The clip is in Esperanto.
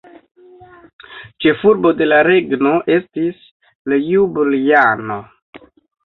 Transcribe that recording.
Ĉefurbo de la regno estis Ljubljano.